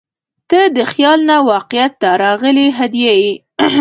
• ته د خیال نه واقعیت ته راغلې هدیه یې.